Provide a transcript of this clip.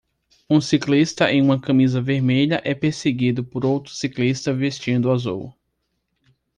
Um ciclista em uma camisa vermelha é perseguido por outro ciclista vestindo azul.